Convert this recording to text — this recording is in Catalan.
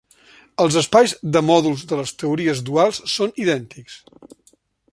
Els espais de mòduls de les teories duals són idèntics.